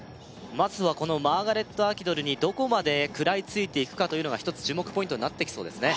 まずはこのマーガレット・アキドルにどこまで食らいついていくかというのが１つ注目ポイントになってきそうですね